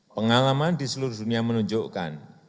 pengalaman di seluruh dunia menunjukkan